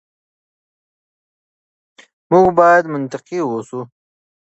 موږ بايد منطقي اوسو.